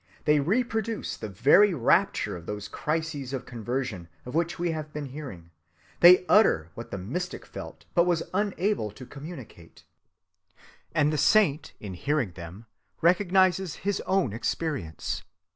They reproduce the very rapture of those crises of conversion of which we have been hearing; they utter what the mystic felt but was unable to communicate; and the saint, in hearing them, recognizes his own experience.